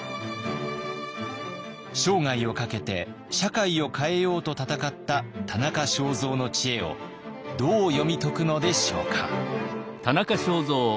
生涯をかけて社会を変えようと闘った田中正造の知恵をどう読み解くのでしょうか。